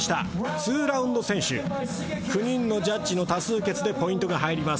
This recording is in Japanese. ２ラウンド先取９人のジャッジの多数決でポイントが入ります。